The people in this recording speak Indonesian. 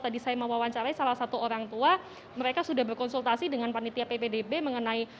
tadi saya mewawancarai salah satu orang tua mereka sudah berkonsultasi dengan panitia ppdb mengenai